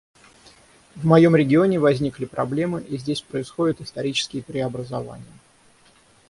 В моем регионе возникли проблемы, и здесь происходят исторические преобразования.